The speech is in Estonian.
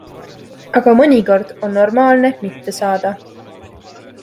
Aga mõnikord on normaalne mitte saada.